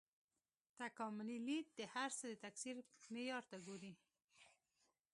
تکاملي لید د هر څه د تکثیر معیار ته ګوري.